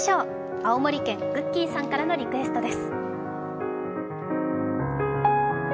青森県ぐっきーさんからのリクエストです。